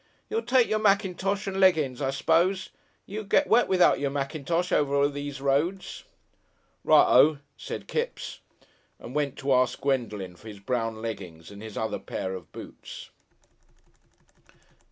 "You'll take your mackintosh and leggin's, I s'pose. You'll get wet without your mackintosh over those roads." "Righ O," said Kipps, and went to ask Gwendolen for his brown leggings and his other pair of boots.